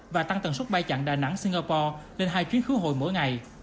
và tăng tần suất bay chặng đà nẵng singapore lên hai chuyến khứa hồi mỗi ngày